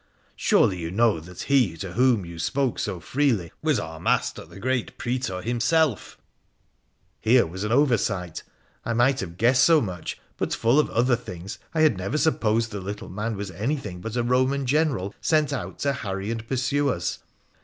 Surely you knew that he to whom you spoke so freely was our master the great Praator himself !' Here was an oversight 1 I might have guessed so much ; PHRA THE PHCENICIAN 21 but, full of other things, I had never supposed the little man was anything but a Roman General sent out to harry and pursue us.